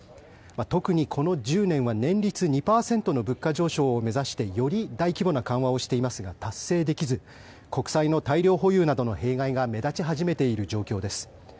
特にこの１０年は年率２％の物価上昇を目指してより大規模な緩和をしていますが達成できず国債の大量保有などの弊害が目立ち始めている状況です。